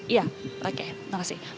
iya oke terima kasih